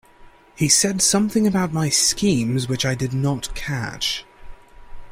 He said something about my schemes which I did not catch.